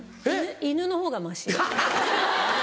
犬のほうがマシ。